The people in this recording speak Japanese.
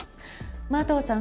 麻藤さん